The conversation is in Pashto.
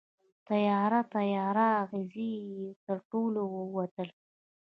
تیاره، تیاره اغزې یې تر تلو ووتله